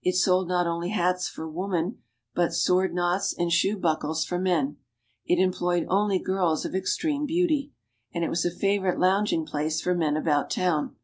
It sold not only hats for woman, but sword knots and shoe buckles for men. It employed only girls of extreme beauty. And it was a favorite louging place for men about town.